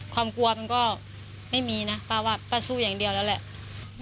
ความกลัวมันก็ไม่มีนะป้าสู้อย่างเดียวแล้ว